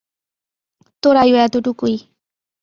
তোর আয়ু এতোটুকুই।